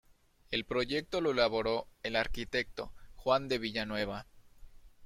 El proyecto lo elaboró el arquitecto Juan de Villanueva.